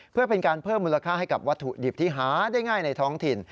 เพื่อเป็นการเพิ่มมูลค่าให้กับวัตถุดิบที่หาได้ง่ายในท้องถิ่น